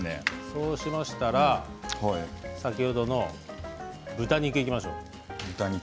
そうしましたら先ほどの豚肉いきましょう。